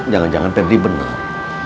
jangan jangan pebri benar